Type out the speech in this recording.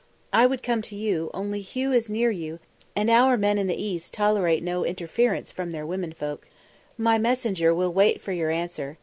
I would come to you, only Hugh is near you, and our men in the East tolerate no interference from their women folk. My messenger will wait for your answer.